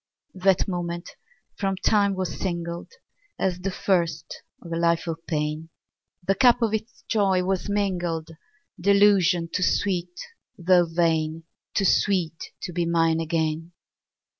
_10 3. That moment from time was singled As the first of a life of pain; The cup of its joy was mingled Delusion too sweet though vain! Too sweet to be mine again.